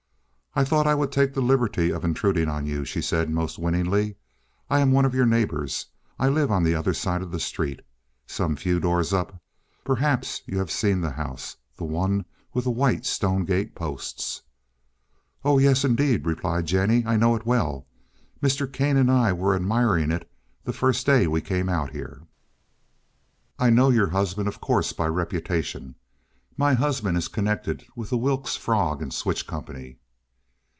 "I thought I would take the liberty of intruding on you," she said most winningly. "I am one of your neighbors. I live on the other side of the street, some few doors up. Perhaps you have seen the house—the one with the white stone gate posts." "Oh, yes indeed," replied Jennie. "I know it well. Mr. Kane and I were admiring it the first day we came out here." "I know of your husband, of course, by reputation. My husband is connected with the Wilkes Frog and Switch Company."